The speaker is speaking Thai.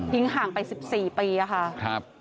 ทิ้งห่างไป๑๔ปีอ่ะคะ